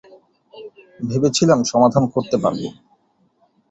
ভেবেছিলাম সমাধান করতে পারব।